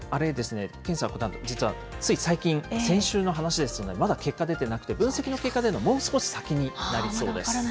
検査を行ったのは、つい最近、先週の話ですので、まだ結果出てなくて、分析の結果出るのもう少し先になりそうです。